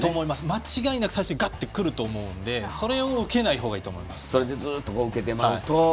間違いなく最初、がってくると思うので受けない方がいいと思います。